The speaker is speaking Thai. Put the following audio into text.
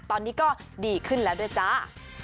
ตอนนี้ก็ดีขึ้นแล้วด้วยจ้า